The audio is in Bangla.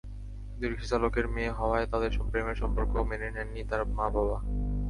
কিন্তু রিকশাচালকের মেয়ে হওয়ায় তাঁদের প্রেমের সম্পর্ক মেনে নেননি তাঁর মা-বাবা।